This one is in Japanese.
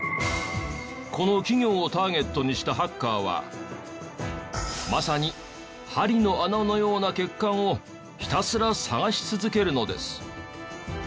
この企業をターゲットにしたハッカーはまさに針の穴のような欠陥をひたすら探し続けるのです。